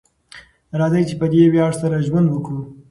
راځئ چې په دې ویاړ سره ژوند وکړو.